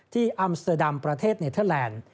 อัมสเตอร์ดัมประเทศเนเทอร์แลนด์